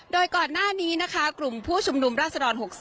โดยก่อนหน้านี้นะคะกลุ่มผู้ชุมนุมราชดร๖๓